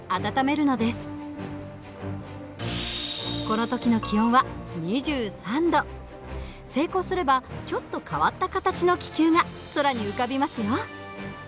この時の気温は成功すればちょっと変わった形の気球が空に浮かびますよ。